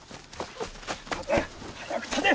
立て早く立て！